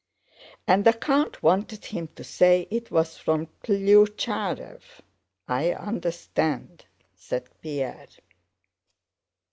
"And the count wanted him to say it was from Klyucharëv? I understand!" said Pierre.